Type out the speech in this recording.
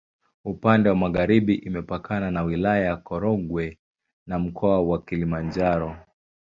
Upande wa magharibi imepakana na Wilaya ya Korogwe na Mkoa wa Kilimanjaro.